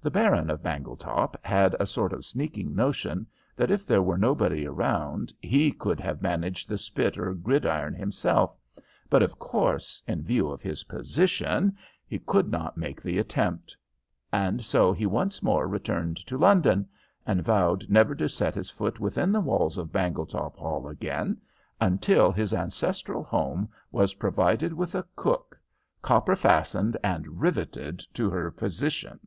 The Baron of Bangletop had a sort of sneaking notion that if there were nobody around he could have managed the spit or gridiron himself; but, of course, in view of his position, he could not make the attempt. And so he once more returned to London, and vowed never to set his foot within the walls of Bangletop Hall again until his ancestral home was provided with a cook "copper fastened and riveted to her position."